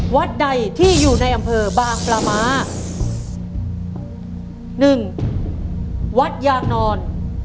วัดใดที่อยู่ในอำเภอบางปลาม้าหนึ่งวัดยางนอน